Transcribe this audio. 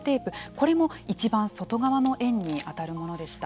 これもいちばん外側の円に当たるものでした。